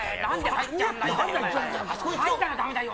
入ったら駄目だよ。